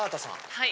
はい。